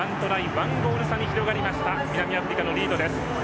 １ゴール差に広がった南アフリカのリードです。